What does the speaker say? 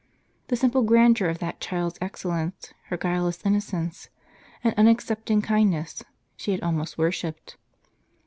The simple grandeur of that child's excellence, her guileless innocence, and unexcepting kindness, she had almost worshipped.